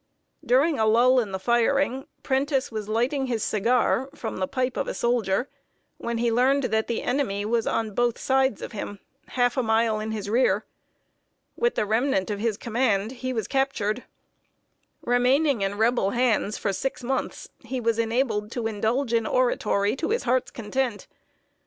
During a lull in the firing, Prentiss was lighting his cigar from the pipe of a soldier when he learned that the enemy was on both sides of him, half a mile in his rear. With the remnant of his command he was captured. [Sidenote: A UNION ORATOR CAPTURED.] Remaining in Rebel hands for six months, he was enabled to indulge in oratory to his heart's content.